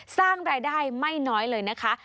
สร้างรายได้ไม่น้อยเลยนะคะ